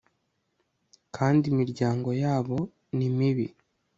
kandi imiryango yabo nimibi